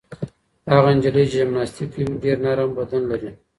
هغه نجلۍ چې جمناسټیک کوي ډېر نرم بدن لري.